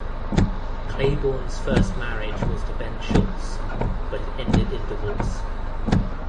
Claiborne's first marriage was to Ben Shultz, but it ended in divorce.